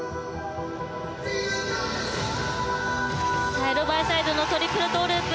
サイドバイサイドのトリプルトウループ。